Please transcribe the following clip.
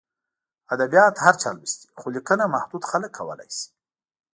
ادبیات هر چا لوستي، خو لیکنه محدود خلک کولای شي.